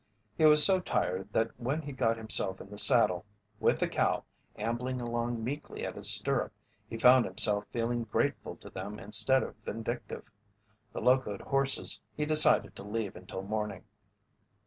He was so tired that when he got himself in the saddle with the cow ambling along meekly at his stirrup, he found himself feeling grateful to them instead of vindictive. The locoed horses he decided to leave until morning.